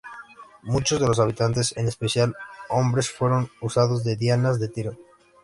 Muchos de los habitantes, en especial hombres; fueron usados de dianas de tiro.